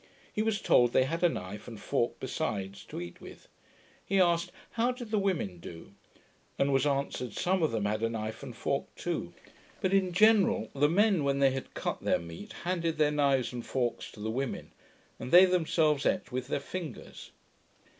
He was told, they had a knife and fork besides, to eat with. He asked, how did the women do? and was answered, some of them had a knife and fork too; but in general the men, when they had cut their meat, handed their knives and forks to the women, and they themselves eat with their fingers.